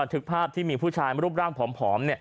ทึกภาพที่มีผู้ชายรูปร่างผอม